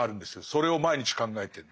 それを毎日考えてると。